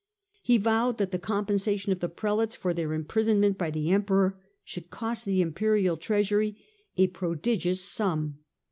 He vowed that the compensation of the Prelates for their imprisonment by the Emperor should cost the Imperial Treasury a prodigious sum.